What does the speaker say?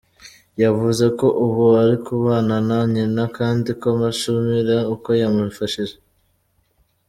Yavuze ko ubu ari kubana na nyina, kandi ko amushimira uko yamufashije.